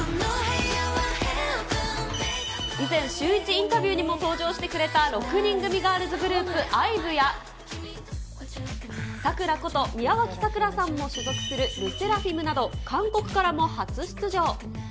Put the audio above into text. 以前、シューイチインタビューにも登場してくれた６人組ガールズグループ、ＩＶＥや、ＳＡＫＵＲＡこと宮脇咲良さんも所属するＬＥＳＳＥＲＡＦＩＭなど、韓国からも初出場。